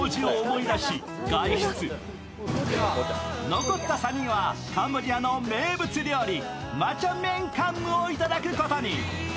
残った３人はカンボジアの名物料理、マチャ・ミェン・カンムを頂くことに。